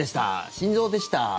心臓でした。